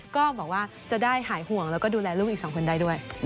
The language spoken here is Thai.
ก็บอกว่าจะได้หายห่วงแล้วก็ดูแลลูกอีก๒คนได้ด้วย